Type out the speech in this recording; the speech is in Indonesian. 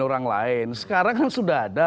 orang lain sekarang kan sudah ada